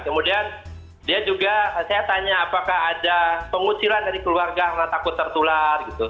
kemudian dia juga saya tanya apakah ada pengucilan dari keluarga karena takut tertular gitu